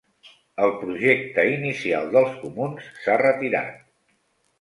El projecte inicial dels comuns s'ha retirat.